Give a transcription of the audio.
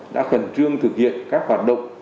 đã khẩn trương thực hiện các hoạt động